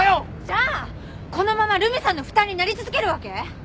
じゃあこのまま留美さんの負担になり続けるわけ？